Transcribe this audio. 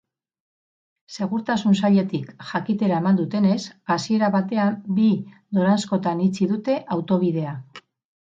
Segurtasun sailetik jakitera eman dutenez, hasiera batean bi noranzkotan itxi dute autobidea.